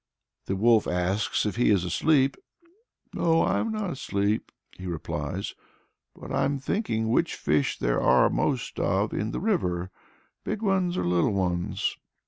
The wolf asks if he is asleep. "No, I'm not asleep," he replies; "but I'm thinking which fish there are most of in the river big ones or little ones."